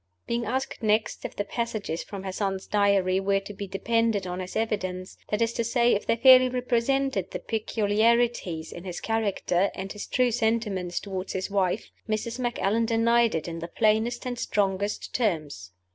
Being asked next if the passages from her son's Diary were to be depended on as evidence that is to say, if they fairly represented the peculiarities in his character, and his true sentiments toward his wife Mrs. Macallan denied it in the plainest and strongest terms.